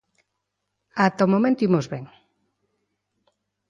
Ata o momento imos ben.